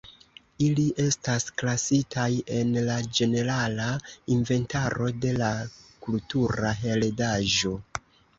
Ili estas klasitaj en la ĝenerala inventaro de la kultura heredaĵo.